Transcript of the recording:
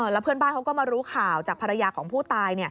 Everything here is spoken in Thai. แล้วเพื่อนบ้านเขาก็มารู้ข่าวจากภรรยาของผู้ตาย